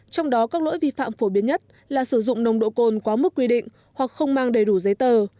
trong đó các lỗi vi phạm phổ biến nhất là sử dụng nồng độ cồn quá mức quy định hoặc không mang đầy đủ giấy tờ